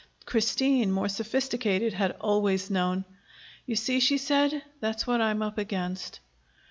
Christine, more sophisticated, had always known. "You see," she said. "That's what I'm up against."